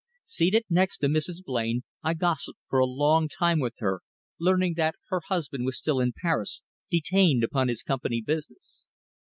Seated next to Mrs. Blain I gossiped for a long time with her, learning that her husband was still in Paris, detained upon his company business.